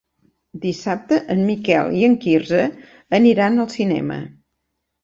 Dissabte en Miquel i en Quirze aniran al cinema.